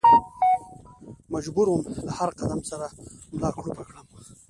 مجبور ووم له هر قدم سره ملا کړوپه کړم.